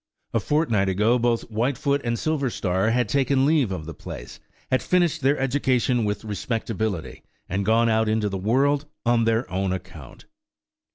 A fortnight ago both Whitefoot and Silverstar had taken leave of the place, had finished their education with respectability, and gone out into the world on their own account.